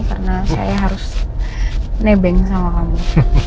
karena saya harus nebeng sama kamu